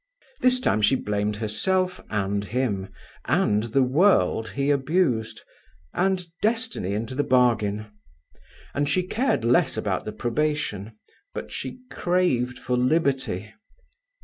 This time she blamed herself and him, and the world he abused, and destiny into the bargain. And she cared less about the probation; but she craved for liberty.